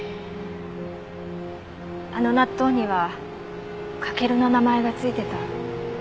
あの納豆には翔の名前が付いてた。